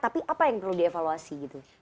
tapi apa yang perlu dievaluasi gitu